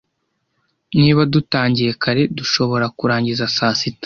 Niba dutangiye kare, dushobora kurangiza saa sita.